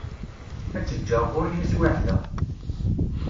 Ad tt-ǧǧeɣ ɣur-i taswiεt-a.